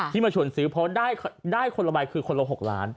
ที่มาชวนซื้อได้คนละใบคือคนละ๖ล้าน